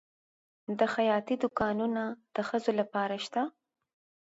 د خیاطۍ دوکانونه د ښځو لپاره شته؟